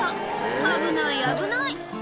危ない、危ない。